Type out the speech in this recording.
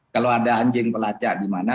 kalau ada anjing pelacak di mana